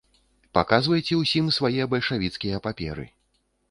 Паказвайце ўсім свае бальшавіцкія паперы.